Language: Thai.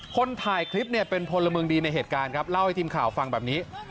คนถ่ายคลิปเนี่ยเป็นพลเมืองดีในเหตุการณ์ครับเล่าให้ทีมข่าวฟังแบบนี้